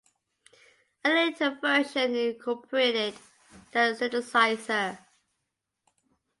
A later version incorporated that synthesizer.